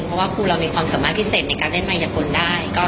เพราะว่าครูเรามีความสามารถพิเศษในการเล่นมายกลได้